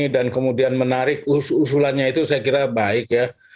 dan kemudian menarik usulannya itu saya kira baik ya